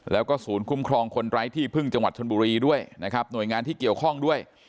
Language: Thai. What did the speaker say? แล้วก็ศูนย์คุ้มครองคนไร้ที่พึ่งจังหวัดชนบุรีด้วยนะครับหน่วยงานที่เกี่ยวข้องด้วย